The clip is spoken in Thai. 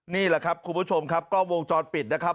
นี่แหละครับคุณผู้ชมครับกล้องวงจรปิดนะครับ